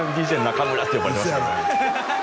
ＤＪ中村って呼ばれてましたね